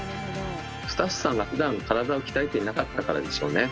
スタッフさんがふだん体を鍛えていなかったからでしょうね。